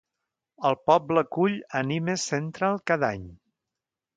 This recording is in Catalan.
El poble acull Anime Central cada any.